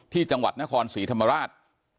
ที่จังหวัดนครศรีธรรมราช